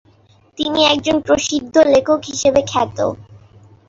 তিনি একজন প্রসিদ্ধ লেখক হিসাবে খ্যাত।